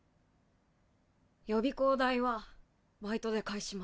・予備校代はバイトで返します。